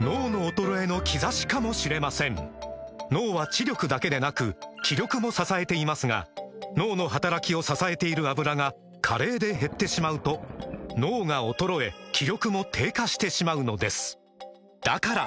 脳の衰えの兆しかもしれません脳は知力だけでなく気力も支えていますが脳の働きを支えている「アブラ」が加齢で減ってしまうと脳が衰え気力も低下してしまうのですだから！